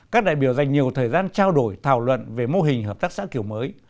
các đại biểu dành nhiều thời gian trao đổi thảo luận về mô hình hợp tác xã kiểu mới